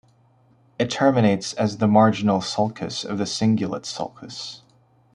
It terminates as the marginal sulcus of the cingulate sulcus.